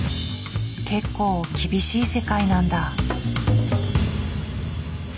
結構厳しい世界なんだ。